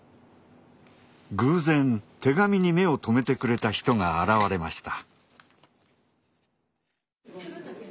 偶然手紙に目を留めてくれた人が現れました。